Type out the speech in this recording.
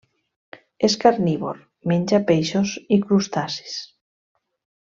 És carnívor: menja peixos i crustacis.